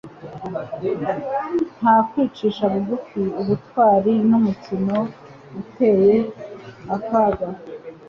Nta kwicisha bugufi, ubutwari ni umukino uteye akaga.